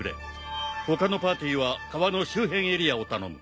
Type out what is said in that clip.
他のパーティーは川の周辺エリアを頼む。